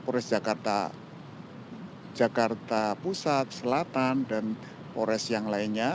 polres jakarta pusat selatan dan polres yang lainnya